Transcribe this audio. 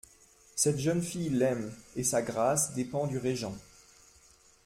Cette jeune fille l'aime ; et sa grâce dépend du régent.